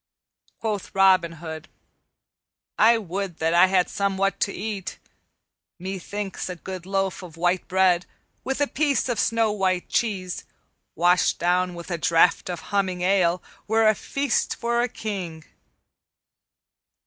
Quoth Robin Hood, "I would that I had somewhat to eat. Methinks a good loaf of white bread, with a piece of snow white cheese, washed down with a draught of humming ale, were a feast for a king."